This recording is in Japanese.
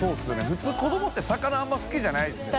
普通子どもって魚あんま好きじゃないですよね。